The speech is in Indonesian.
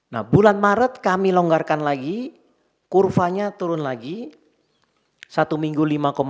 nah bulan maret kami longgarkan lagi kurvanya turun lagi satu minggu lima tujuh